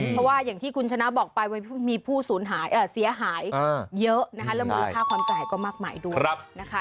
เพราะว่าอย่างที่คุณชนะบอกไปว่ามีผู้เสียหายเยอะและมีค่าความสนายก็มากมายด้วยนะคะ